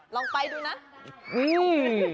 ลองไปดูนะ